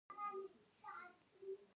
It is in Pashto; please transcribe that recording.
آیا او نوي خوبونه نلري؟